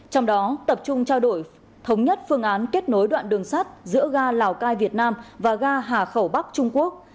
trong đó tập trung trao đổi thống nhất phương án kết nối đoạn đường sắt giữa ga lào cai việt nam và ga hà khẩu bắc trung quốc